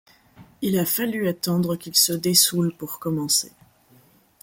Il a fallu attendre qu’il se dessoûle pour commencer.